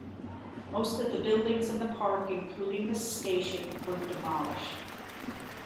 Most of the buildings in the park, including the station, were demolished.